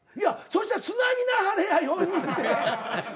そしたらつなぎなはれや４人で。